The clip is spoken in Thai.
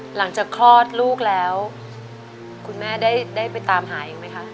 หลังจากคลอดลูกแล้วคุณแม่ได้ไปตามหาอีกไหมคะ